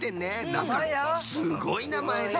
なんかすごいなまえね。